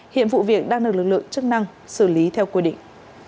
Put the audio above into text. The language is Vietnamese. hiện vụ việc đang được lực lượng chức năng xử lý theo quy định